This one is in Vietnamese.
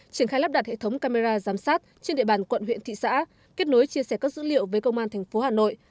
triển khai lắp đặt hệ thống camera giám sát trên địa bàn quận huyện thị xã kết nối chia sẻ các dữ liệu với công an tp hà nội